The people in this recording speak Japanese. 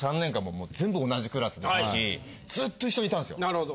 なるほど。